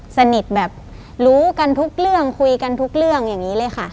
สนิทแบบรู้กันทุกเรื่องคุยกันทุกเรื่องอย่างนี้เลยค่ะ